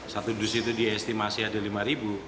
satu dus itu diestimasi ada lima ribu